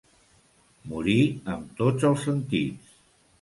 Morir amb tots els sentits.